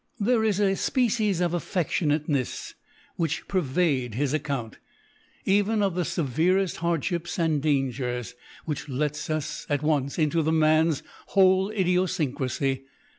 There is a species of affectionateness which pervades his account, even of the severest hardships and dangers, which lets us at once into the man's whole idiosyncrasy.